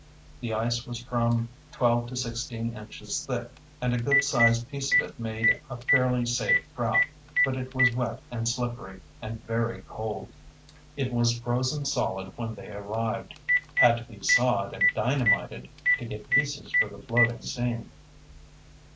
The ice was from twelve to sixteen inches thick, and a good sized piece of it made a fairly safe craft, but it was wet and slippery, and very cold. It was frozen solid when they arrived; had to be sawed and dynamited, to get pieces for the floating scene.